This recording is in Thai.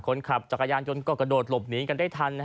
คนขับจักรยานยนต์ก็กระโดดหลบหนีกันได้ทัน